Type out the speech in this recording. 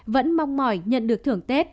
vẫn mong mỏi nhận được thưởng tết